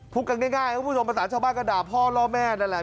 พูดกันง่ายเพราะว่าผู้สมบัติศาสตร์ชาวบ้านก็ด่าพ่อเล่าแม่นั่นแหละ